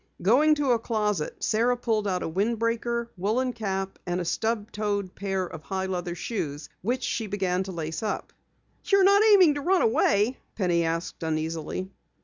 Going to a closet, Sara pulled out a wind breaker, woolen cap, and a stub toed pair of high leather shoes which she began to lace up. "You're not aiming to run away?" Penny asked uneasily.